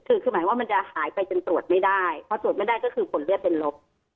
คือคือหมายว่ามันจะหายไปจนตรวจไม่ได้พอตรวจไม่ได้ก็คือผลเลือดเป็นลบ